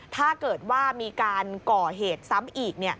ถ้าเกิดว่ามีการก่อเหตุซ้ำอีก